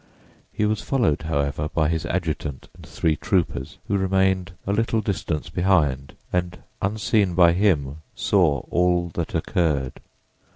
He was followed, however, by his adjutant and three troopers, who remained a little distance behind and, unseen by him, saw all that occurred.